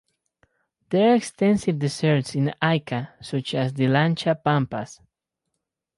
There are extensive deserts in Ica, such as the "Lancha Pampas".